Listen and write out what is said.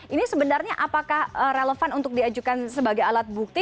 ini sebenarnya apakah relevan untuk diajukan sebagai alat bukti